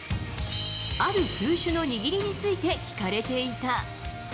ある球種の握りについて聞かれていた。